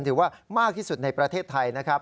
ถือว่ามากที่สุดในประเทศไทยนะครับ